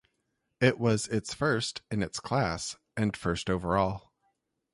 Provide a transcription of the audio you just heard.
It was its first in its class and first overall.